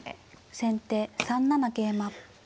先手３七桂馬。